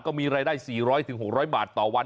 ก็มีรายได้๔๐๐๖๐๐บาทต่อวัน